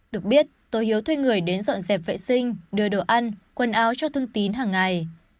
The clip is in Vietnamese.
được biết tôi hiếu thuê người đến dọn dẹp vệ sinh đưa đồ ăn quần áo cho thương tín hàng ngày